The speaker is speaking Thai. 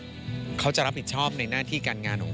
พี่ว่าความมีสปีริตของพี่แหวนเป็นตัวอย่างที่พี่จะนึกถึงเขาเสมอ